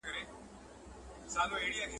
کېدای سي کور چټل وي.